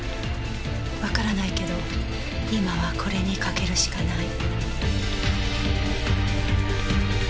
わからないけど今はこれにかけるしかない。